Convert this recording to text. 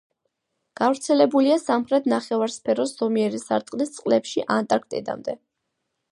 გავრცელებულია სამხრეთ ნახევარსფეროს ზომიერი სარტყლის წყლებში ანტარქტიკამდე.